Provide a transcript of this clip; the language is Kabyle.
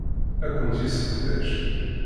La kent-yesseqdac.